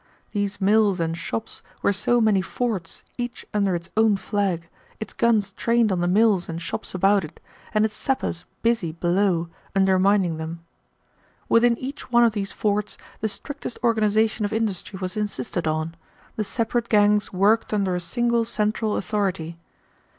These mills and shops were so many forts, each under its own flag, its guns trained on the mills and shops about it, and its sappers busy below, undermining them. Within each one of these forts the strictest organization of industry was insisted on; the separate gangs worked under a single central authority.